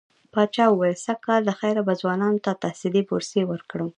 پاچا وويل سږ کال له خيره به ځوانانو ته تحصيلي بورسيې ورکړم.